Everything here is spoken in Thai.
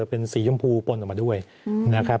เป็นสีชมพูปนออกมาด้วยนะครับ